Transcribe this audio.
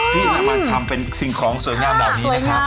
ที่ทำเป็นสิ่งของสวยงามแบบนี้นะครับ